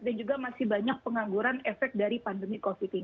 dan juga masih banyak pengangguran efek dari pandemi covid sembilan belas